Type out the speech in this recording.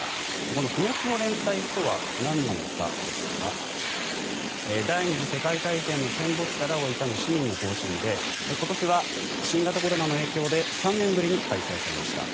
この不滅の連隊とはなんなのかですが第２次世界大戦の戦没者らを悼む市民の行進で今年は新型コロナの影響で３年ぶりに開催されました。